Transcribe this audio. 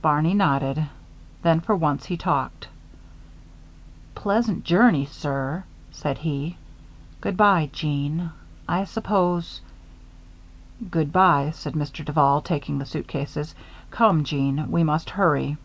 Barney nodded. Then, for once, he talked. "Pleasant journey, sir," said he. "Good by, Jeanne. I suppose " "Good by," said Mr. Duval, taking the suitcases. "Come, Jeanne, we must hurry."